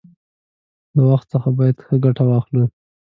له وخت څخه باید ښه گټه واخلو.